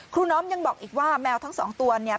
น้อมยังบอกอีกว่าแมวทั้งสองตัวเนี่ย